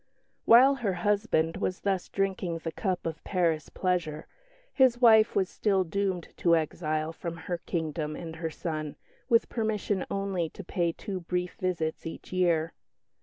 While her husband was thus drinking the cup of Paris pleasure, his wife was still doomed to exile from her kingdom and her son, with permission only to pay two brief visits each year.